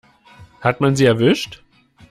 Hat man sie erwischt?